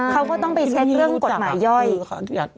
เขาก็ต้องไปเช็คเรื่องกฎหมายย่อย